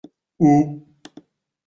Où ?